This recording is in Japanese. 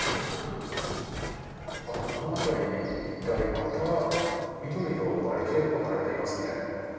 この辺り一帯、また緑のバリケードが張られていますね。